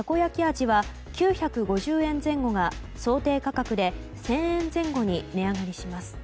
味は９５０円前後が想定価格で１０００円前後に値上がりします。